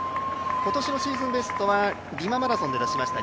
今年のシーズンベストはびわマラソンで出ました